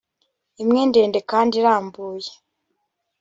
imwe ndende kandi irambuye